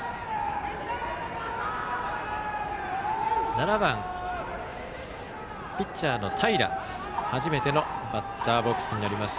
７番ピッチャーの平が初めてのバッターボックスです。